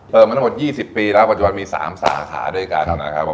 มาทั้งหมด๒๐ปีแล้วปัจจุบันมี๓สาขาด้วยกันนะครับผม